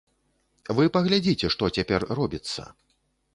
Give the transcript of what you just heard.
Вы паглядзіце, што цяпер робіцца.